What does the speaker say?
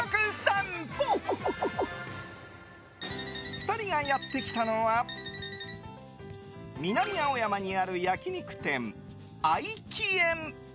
２人がやってきたのは南青山にある焼き肉店、合奇苑。